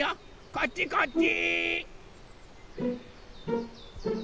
こっちこっち！